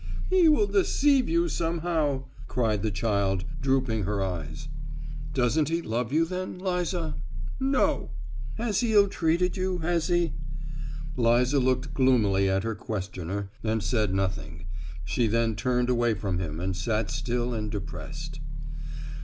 "He will deceive you somehow!" cried the child, drooping her eyes. "Doesn't he love you, then, Liza?" "No." "Has he ill treated you,—has he?" Liza looked gloomily at her questioner, and said nothing. She then turned away from him and sat still and depressed.